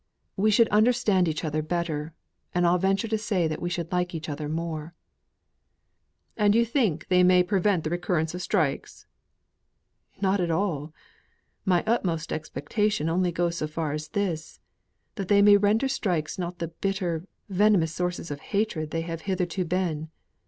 We should understand each other better, and I'll venture to say we should like each other more." "And you think they may prevent recurrence of strikes?" "Not at all. My utmost expectation only goes as far as this that they may render strikes not the bitter, venomous sources of hatred they have hitherto been.